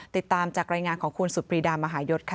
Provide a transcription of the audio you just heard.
ติดตามจากรายงานของคุณสุดปรีดามหายศค่ะ